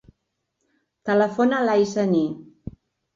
Telefona a l'Aisha Ni.